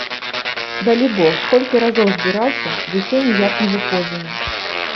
Далібог, колькі разоў збіраўся, ды ўсё ніяк не выходзіла.